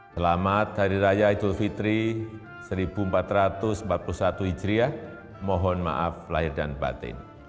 selamat hari raya idul fitri seribu empat ratus empat puluh satu hijriah mohon maaf lahir dan batin